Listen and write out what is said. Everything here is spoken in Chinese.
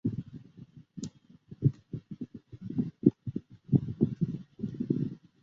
混响时间至今仍是厅堂音质评价首选的物理指标。